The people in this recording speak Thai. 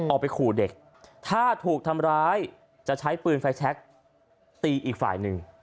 ออกไปขู่เด็กถ้าถูกทำร้ายจะใช้ปืนไฟแชคตีอีกฝ่ายหนึ่ง